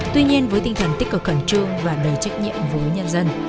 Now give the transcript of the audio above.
tuy nhiên với tinh thần tích cực khẩn trương và đầy trách nhiệm với nhân dân